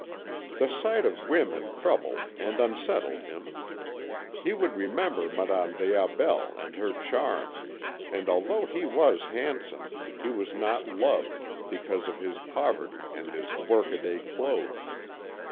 The sight of women troubled and unsettled him. He would remember Madame des Aubels and her charm, and, although he was handsome, he was not loved, because of his poverty and his workaday clothes.